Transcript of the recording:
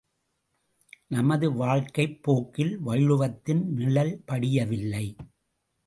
நமது வாழ்க்கைப் போக்கில் வள்ளுவத்தின் நிழல் படியவில்லை.